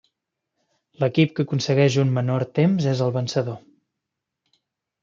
L'equip que aconsegueix un menor temps és el vencedor.